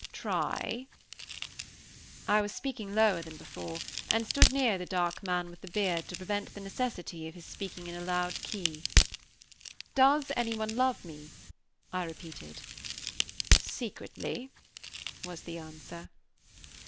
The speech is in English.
"Try." I was speaking lower than before, and stood near the dark man with the beard, to prevent the necessity of his speaking in a loud key. "Does anyone love me?" I repeated. "Secretly," was the answer.